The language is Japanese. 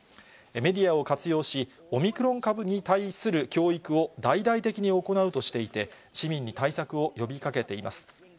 メディアを活用し、オミクロン株に対する教育を大々的に行うとしていて、市民に対策を呼びかけています。